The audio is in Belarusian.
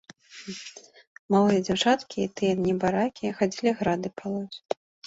Малыя дзяўчаткі і тыя, небаракі, хадзілі грады палоць.